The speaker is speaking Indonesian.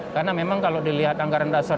karena memang kalau dilihat anggaran dasar